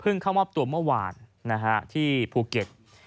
เข้ามอบตัวเมื่อวานที่ภูเก็ต